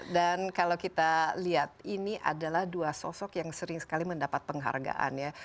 dan kalau kita lihat ini adalah dua sosok yang sering sekali mendapat penghargaan ya